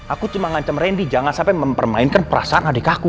aku cuma ngancam randy jangan sampai mempermainkan perasaan adik aku